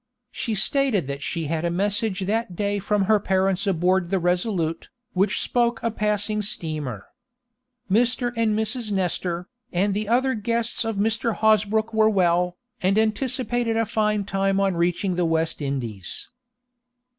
She stated that she had a message that day from her parents aboard the RESOLUTE, which spoke a passing steamer. Mr. and Mrs. Nestor, and the other guests of Mr. Hosbrook were well, and anticipated a fine time on reaching the West Indies.